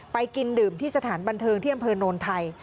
ไปกินดื่มที่สถานบันเทิงที่อำเภอโนนไทย